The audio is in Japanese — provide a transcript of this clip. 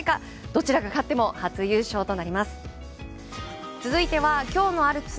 どちらが勝っても、初優勝となりました。